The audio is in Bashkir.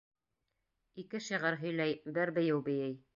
Ике шиғыр һөйләй, бер бейеү бейей.